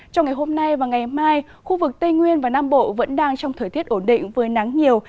trong ngày hôm nay và ngày mai khu vực tây nguyên và nam bộ vẫn đang trong thời tiết ổn định với nắng nhiều